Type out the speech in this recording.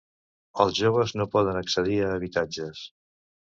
Els joves no poden accedir a habitatges